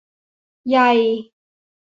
ไย